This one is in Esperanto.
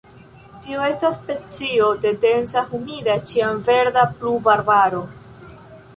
Tiu estas specio de densa humida ĉiamverda pluvarbaro.